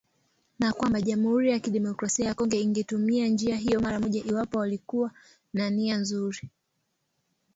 Na kwamba Jamuhuri ya Kidemokrasia ya Kongo ingetumia njia hiyo mara moja iwapo walikuwa na nia nzuri